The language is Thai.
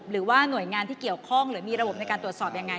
หรือว่าหน่วยงานที่เกี่ยวข้องหรือมีระบบในการตรวจสอบยังไง